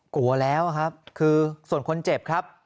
กลัวแล้วครับคือส่วนคนเจ็บครับ